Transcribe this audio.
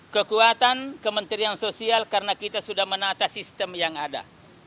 kekuatan kementerian sosial karena kita sudah menata sistem yang ada